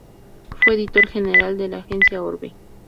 Fue editor general de la Agencia Orbe.